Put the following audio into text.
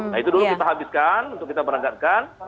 nah itu dulu kita habiskan untuk kita berangkatkan